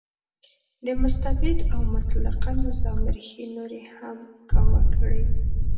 د مستبد او مطلقه نظام ریښې نورې هم کاواکه کړې.